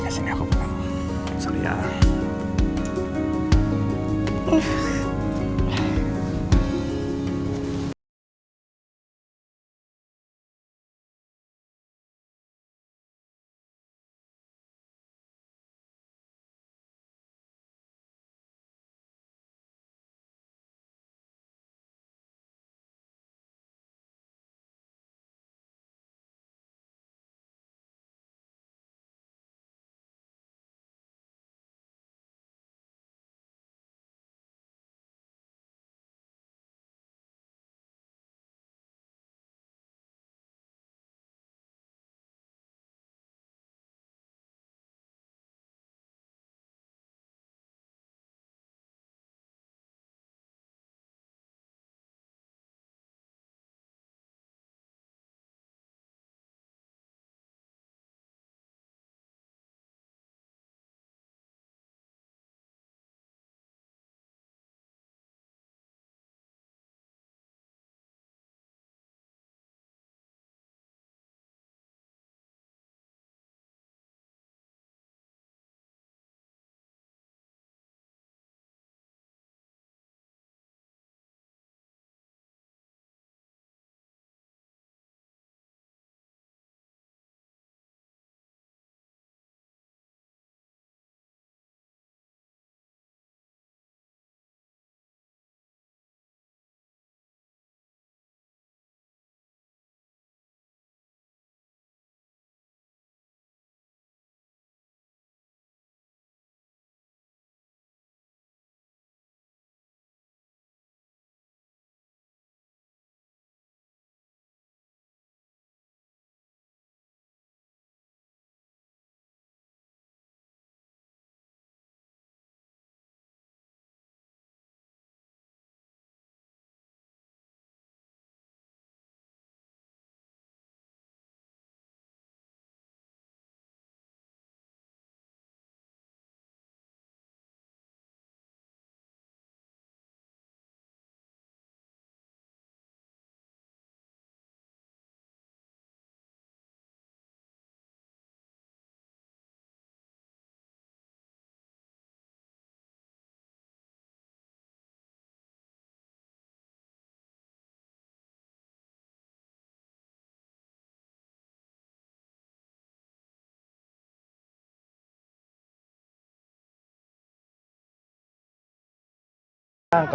sini aku buka makasih ya